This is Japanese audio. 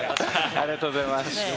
ありがとうございます。